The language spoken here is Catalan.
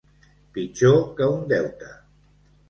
Pitjor que un deute.